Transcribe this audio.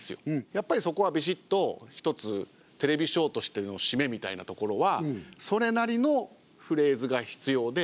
やっぱりそこはびしっと一つテレビショーとしての締めみたいなところはそれなりのフレーズが必要で。